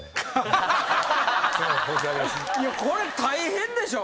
これ大変でしょ？